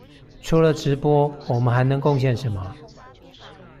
除了直播，我們還能貢獻什麼？